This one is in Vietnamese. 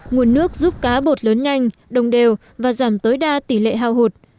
nguồn nước giúp cá bột lớn nhanh đồng đều và giảm tối đa tỷ lệ hao hụt